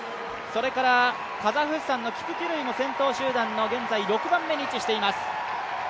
それから、カザフスタンのキプキルイも先頭集団の現在６番目に位置しています。